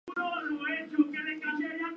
Se encuentra en Birmania, Laos y Tailandia.